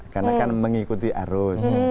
karena kan mengikuti arus